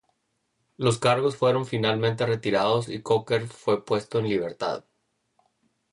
Los cargos fueron finalmente retirados y Cocker fue puesto en libertad.